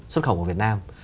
xuất khẩu của việt nam